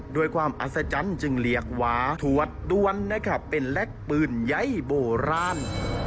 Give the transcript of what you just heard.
ด้วยความอัศจรรย์จึงเรียกว่าถวดดวนเป็นแรกปืนใย้โบราณ